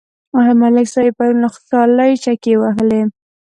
ملک صاحب پرون له خوشحالۍ چکې وهلې.